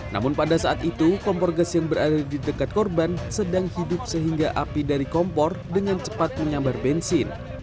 namun pada saat itu kompor gas yang berada di dekat korban sedang hidup sehingga api dari kompor dengan cepat menyambar bensin